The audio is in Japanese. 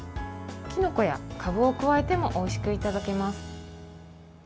きのこやかぶを加えてもおいしくいただけます。